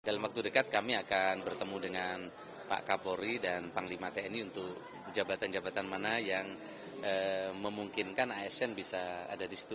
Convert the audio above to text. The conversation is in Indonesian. dalam waktu dekat kami akan bertemu dengan pak kapolri dan panglima tni untuk jabatan jabatan mana yang memungkinkan asn bisa ada di situ